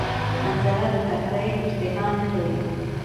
حنظله د تکری اشتها نلری